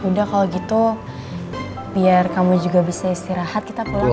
udah kalau gitu biar kamu juga bisa istirahat kita pulang lagi